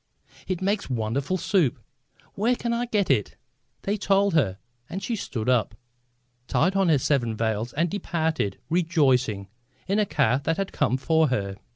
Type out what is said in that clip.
"It makes wonderful soup! Where can I get it?" They told her, and she stood up, tied on her seven veils and departed, rejoicing, in a car that had come for her.